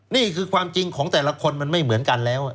นี่คือความจริงของแต่ละคนมันไม่เหมือนกันแล้ว